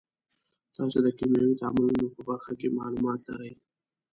تاسې د کیمیاوي تعاملونو په برخه کې معلومات لرئ.